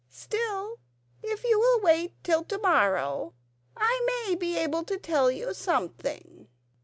Still, if you will wait till to morrow I may be able to tell you something."